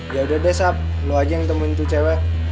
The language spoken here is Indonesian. yaudah deh sab lo aja yang temuin itu cewek